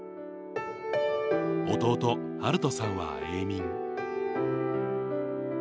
弟、晴斗さんは永眠。